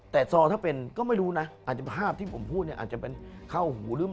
แต่ซอลอกถ้าเป็นก็ไม่รู้นะภาพที่ผมพูดอาจจะเป็นเข้าหูเรื่อง